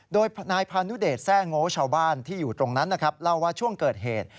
โดยนายพานุเดชแทร่โง่ชาวบ้านที่อยู่ตรงนั้นนะครับเล่าว่าช่วงเกิดเหตุ